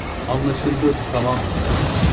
Anlaşıldı, tamam.